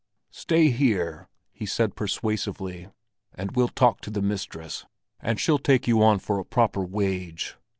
"Stay here!" he said persuasively, "and we'll talk to the mistress and she'll take you on for a proper wage.